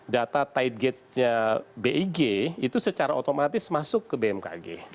data tight gatesnya big itu secara otomatis masuk ke bmkg